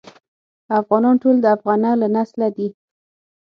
افغانان ټول د افغنه له نسله دي.